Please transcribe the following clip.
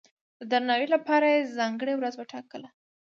د درناوي لپاره یې ځانګړې ورځ وټاکله.